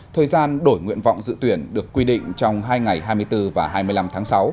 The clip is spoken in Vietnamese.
thời gian đổi nguyện vọng dự tuyển được quy định trong hai ngày hai mươi bốn và hai mươi năm tháng sáu